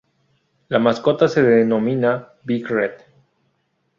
La mascota se denomina Big Red.